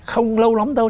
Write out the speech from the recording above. không lâu lắm đâu